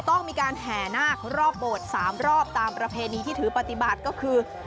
ต้องมีการแห่นาครอบโบสถ์๓รอบตามประเพณีที่ถือปฏิบัติก็คือ